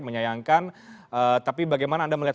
menyayangkan tapi bagaimana anda melihat